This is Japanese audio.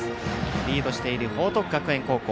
リードしている報徳学園高校。